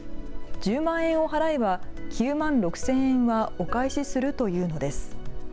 １０万円を払えば９万６０００円はお返しするというのです。